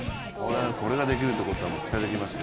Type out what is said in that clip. これができるってことはもう期待できますよ。